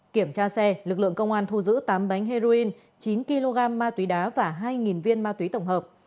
kiểm tra xe lực lượng công an thu giữ tám bánh heroin chín kg ma túy đá và hai viên ma túy tổng hợp